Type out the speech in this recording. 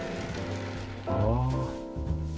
ああ。